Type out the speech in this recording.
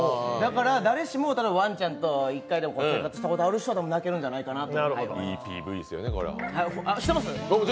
だから、誰しもワンちゃんと一回でも生活したことがある人は泣けるんじゃないかなと。